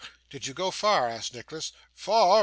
'Did you go far?' asked Nicholas. 'Far!